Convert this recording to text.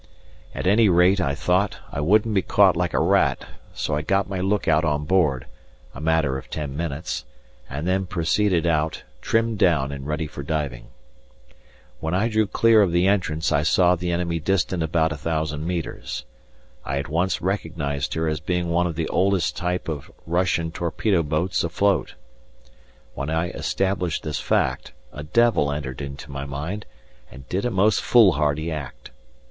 At any rate, I thought, I wouldn't be caught like a rat, so I got my look out on board a matter of ten minutes and then proceeded out, trimmed down and ready for diving. When I drew clear of the entrance I saw the enemy distant about a thousand metres. I at once recognized her as being one of the oldest type of Russian torpedo boats afloat. When I established this fact, a devil entered into my mind, and did a most foolhardy act.